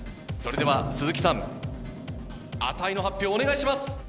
それでは鈴木さん値の発表お願いします。